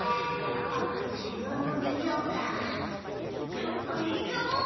ちょっといいかも！